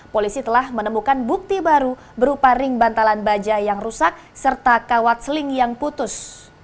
polisi telah menemukan bukti baru berupa ring bantalan baja yang rusak serta kawat seling yang putus